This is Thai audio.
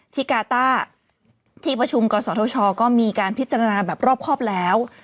กาต้าที่ประชุมกศธชก็มีการพิจารณาแบบรอบครอบแล้ว